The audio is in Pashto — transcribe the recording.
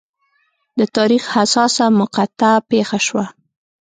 د تاریخ حساسه مقطعه پېښه شوه.